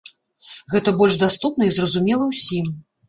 Гэта больш даступна і зразумела ўсім.